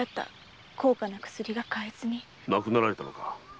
亡くなられたのか？